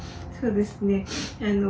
そうですね。